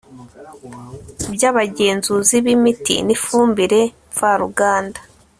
by Abagenzuzi b imiti n ifumbire mvaruganda